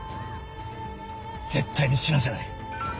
絶対に死なせない。